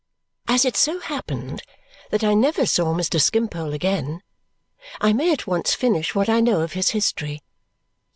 As it so happened that I never saw Mr. Skimpole again, I may at once finish what I know of his history.